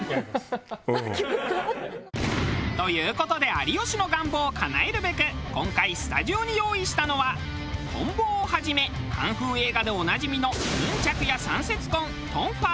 という事で有吉の願望をかなえるべく今回スタジオに用意したのはこん棒をはじめカンフー映画でおなじみのヌンチャクや三節棍トンファー。